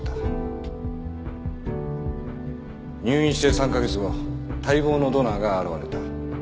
入院して３か月後待望のドナーが現れた。